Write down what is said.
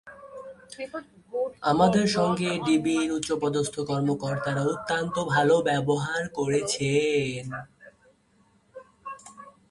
আমাদের সঙ্গে ডিবির উচ্চপদস্থ কর্মকর্তারা অত্যন্ত ভালো ব্যবহার করেছেন।